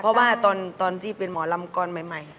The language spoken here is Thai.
เพราะว่าตอนที่เป็นหมอลำกรใหม่